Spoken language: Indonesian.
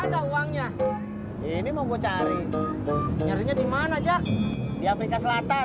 ada uangnya ini mau cari nyarinya di mana jack di amerika selatan